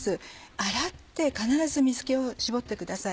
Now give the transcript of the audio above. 洗って必ず水気を絞ってください。